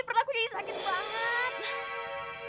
pernah aku jadi sakit banget